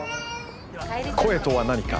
声とは何か？